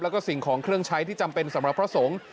แล้วก็สิ่งของเครื่องใช้ที่จำเป็นสำหรับพระสงฆ์